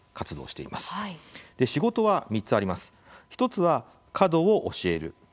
１つは角を教える。